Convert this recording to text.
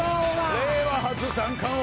令和初三冠王。